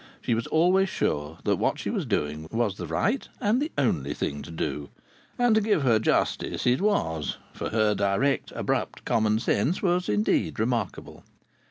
She was always sure that what she was doing was the right and the only thing to do. And, to give her justice, it was; for her direct, abrupt common sense was indeed remarkable.